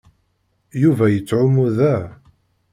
Yuba yettɛummu da.